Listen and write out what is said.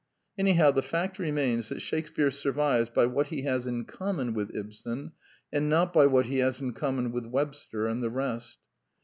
Anyhow, the fact remains that Shakespear survives by what he has in conunon with Ibsen, and not by what he has in common with Webster and the rest.